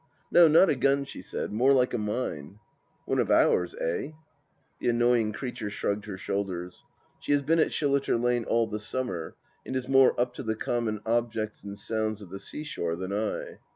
" No, not a gun," she said. " More like a mine." " One of ours, eh ?" The annoying creature shrugged her shoulders. She has been at Shilliter Lane all the summer and is more up to the common objects and sounds of the seashore than I.